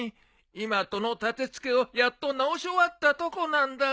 今戸の立て付けをやっと直し終わったとこなんだぞ。